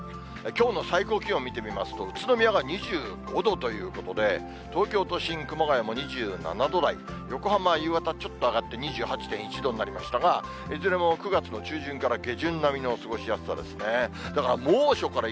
きょうの最高気温見てみますと、宇都宮が２５度ということで、東京都心、熊谷も２７度台、横浜は夕方ちょっと上がって２８．１度になりましたが、いずれも９月の中旬から下旬並みの過ごしやすさですね。